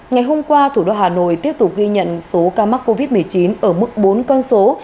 ngày hôm qua thủ đô hà nội tiếp tục ghi nhận số ca mắc covid một mươi chín ở mức bốn con số